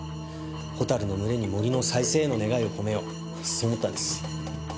ホタルの群れに森の再生への願いを込めようそう思ったんです。